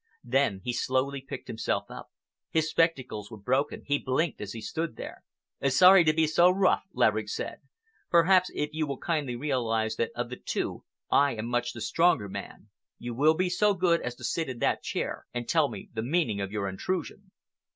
Then he slowly picked himself up. His spectacles were broken—he blinked as he stood there. "Sorry to be so rough," Laverick said. "Perhaps if you will kindly realize that of the two I am much the stronger man, you will be so good as to sit in that chair and tell me the meaning of your intrusion."